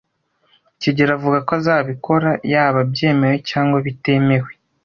kigeli avuga ko azabikora yaba byemewe cyangwa bitemewe.